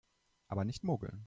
Aber nicht mogeln!